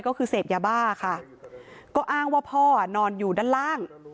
ก็คือเสพยาบ้าค่ะก็อ้างว่าพ่อนอนอยู่ด้านล่าง